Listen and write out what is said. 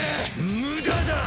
無駄だ！